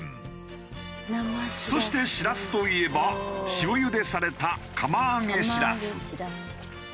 そしてしらすといえば塩茹でされた釜揚げしらす。